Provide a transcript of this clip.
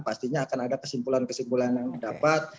pastinya akan ada kesimpulan kesimpulan yang dapat